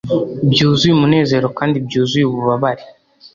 byuzuye umunezero kandi byuzuye ububabare!